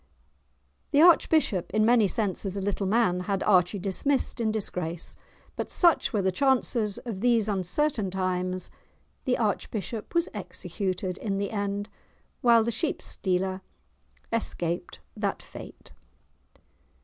The archbishop, in many senses a little man, had Archie dismissed in disgrace. But, such were the chances of these uncertain times, the archbishop was executed in the end, while the sheepstealer escaped that fate!